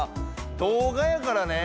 動画やからね。